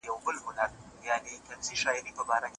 شاوخوا یې صلیبیان او یهودیان دي